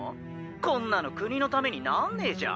こんなの国のためになんねえじゃん。